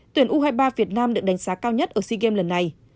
tuyển u hai mươi ba việt nam được đánh giá cao nhất ở sea games lần này